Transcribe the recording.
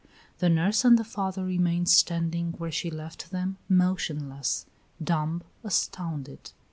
The nurse and the father remained standing where she left them, motionless, dumb, astounded.